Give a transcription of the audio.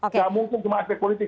nggak mungkin cuma aspek politik